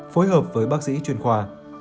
phối hợp với bác sĩ chuyên khoa